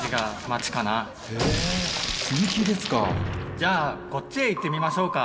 じゃあこっちへ行ってみましょうか。